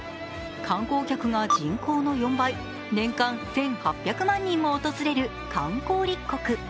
観光客が人口の４倍、年間１８００万人も訪れる観光立国。